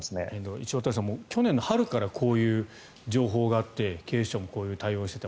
石渡さんも去年の春からこういう情報があって警視庁もこういう対応をしていた。